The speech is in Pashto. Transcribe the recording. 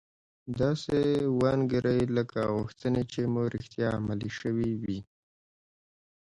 داسې و انګیرئ لکه غوښتنې چې مو رښتیا عملي شوې وي